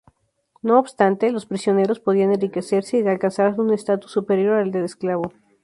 No obstante, los prisioneros podían enriquecerse y alcanzar un estatus superior al de esclavo.